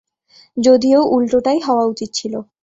যদিও উল্টোটাই হওয়া উচিত ছিল।